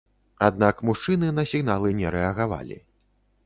Аднак мужчыны на сігналы не рэагавалі.